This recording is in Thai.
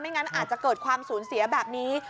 งั้นอาจจะเกิดความสูญเสียแบบนี้